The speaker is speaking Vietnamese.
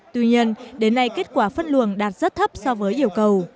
tuy nhiên đến nay kết quả phân luồng đạt rất thấp so với yêu cầu